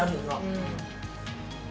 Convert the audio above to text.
うん。